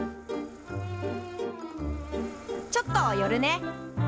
ちょっと寄るね。